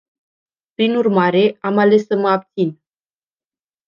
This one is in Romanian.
Prin urmare, am ales să mă abțin.